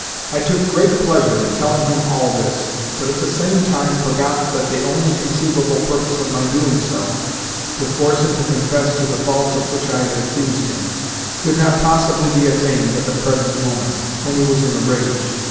I took great pleasure in telling him all this, but at the same time forgot that the only conceivable purpose of my doing so to force him to confess to the faults of which I had accused him could not possibly be attained at the present moment, when he was in a rage.